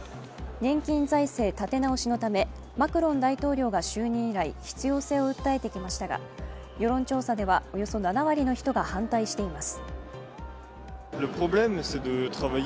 年金財政立て直しのため、マクロン大統領が就任以来、必要性を訴えてきましたが、世論調査ではおよそ７割の人が反対をしています。